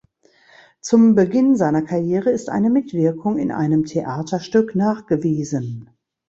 Zum Beginn seiner Karriere ist eine Mitwirkung in einem Theaterstück nachgewiesen.